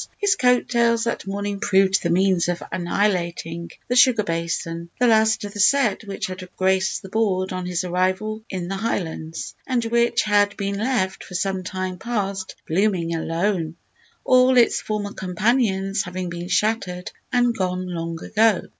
His coat tails that morning proved the means of annihilating the sugar basin the last of the set which had graced the board on his arrival in the Highlands, and which had been left, for some time past, "blooming alone," all its former companions having been shattered and gone long ago.